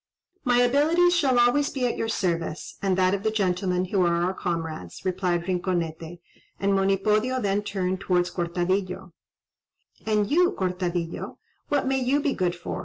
"My abilities shall always be at your service, and that of the gentlemen who are our comrades," replied Rinconete; and Monipodio then turned towards Cortadillo. "And you, Cortadillo, what may you be good for?"